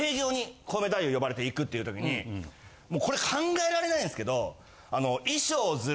コウメ太夫呼ばれて行くっていう時にもうこれ考えられないんですけどあの。